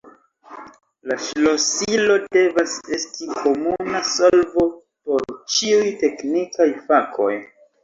La ŝlosilo devas esti komuna solvo por ĉiuj teknikaj fakoj.